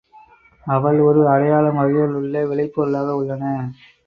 அவள் ஒரு அடையாளம் வகைகள் உள்ளே விலைப்பொருளாக உள்ளன.